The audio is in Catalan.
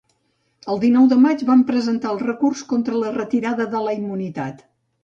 El dinou de maig van presentar el recurs contra la retirada de la immunitat.